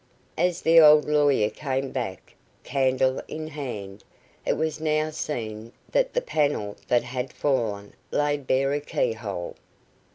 As the old lawyer came back, candle in hand, it was now seen that the panel that had fallen laid bare a key hole.